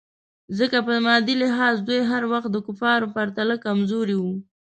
ځکه په مادي لحاظ دوی هر وخت د کفارو پرتله کمزوري وو.